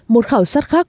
một khảo sát khác